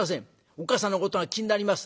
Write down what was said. おっ母さんのことが気になります。